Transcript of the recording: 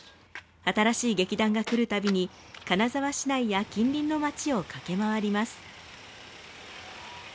新しい劇団が来るたびに金沢市内や近隣のまちを駆け回ります。